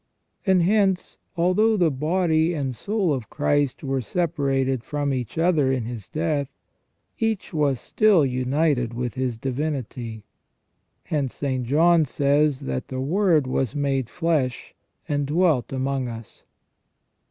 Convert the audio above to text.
And hence, although the body and soul of Christ were separated from each other in His death, each was still united with His divinity. Hence St. John says that " the Word was made flesh, and dwelt among us